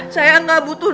saya enggak butuh dokter